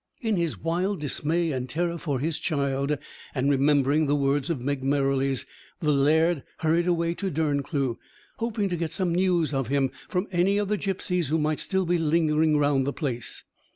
In his wild dismay and terror for his child, and remembering the words of Meg Merrilies, the laird hurried away to Derncleugh, hoping to get some news of him from any of the gipsies who might still be lingering round the place.